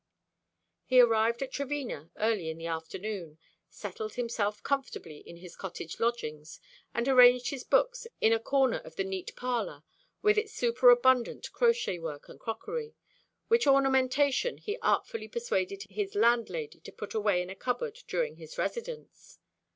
He arrived at Trevena early in the afternoon, settled himself comfortably in his cottage lodgings, and arranged his books in a corner of the neat little parlour, with its superabundant crochet work and crockery, which ornamentation he artfully persuaded his landlady to put away in a cupboard during his residence.